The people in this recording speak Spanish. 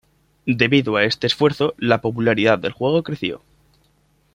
Debido a este esfuerzo, la popularidad del juego creció.